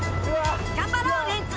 頑張ろうウエンツ。